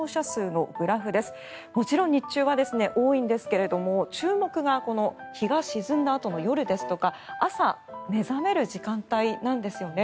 もちろん日中は多いんですけれども注目がこの日が沈んだあとの夜ですとか朝、目覚める時間帯なんですよね。